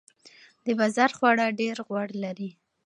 د بازار خواړه ډیر غوړ لري.